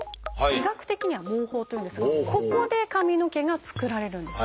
医学的には「毛包」というんですがここで髪の毛が作られるんですよね。